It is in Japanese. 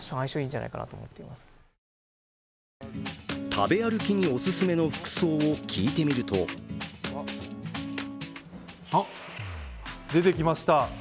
食べ歩きにおすすめの服装を聞いてみるとあっ、出てきました。